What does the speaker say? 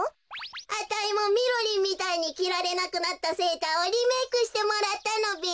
あたいもみろりんみたいにきられなくなったセーターをリメークしてもらったのべ。